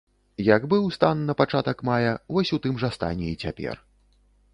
Як быў стан на пачатак мая, вось у тым жа стане і цяпер.